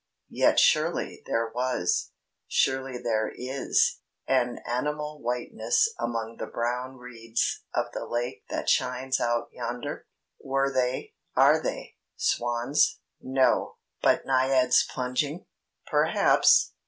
Yet surely there was, surely there is, an animal whiteness among the brown reeds of the lake that shines out yonder? Were they, are they, swans? No! But naiads plunging? Perhaps!